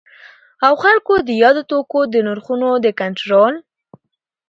او خلګو د یادو توکو د نرخونو د کنټرول